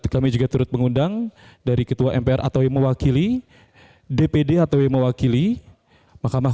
kami juga turut mengundang dari ketua mpr atau yang mewakili dpd atau yang mewakili mahkamah